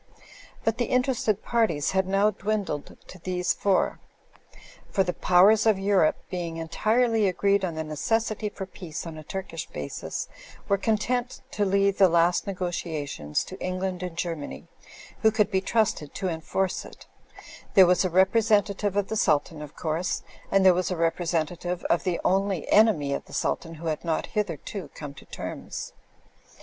But the interested parties had now dwindled to these four. For the Powers of Europe being entirely agreed on the necessity for peace on a Turkish basis, were content to leave the last negotiations to England and Germany, who could be trusted to enforce it; there was a representative of the Sultan, of course; and there was a representative of the only enemy of the Sultan who had not hitherto come to terms.